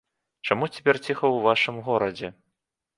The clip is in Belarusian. Чаму цяпер ціха ў вашым горадзе?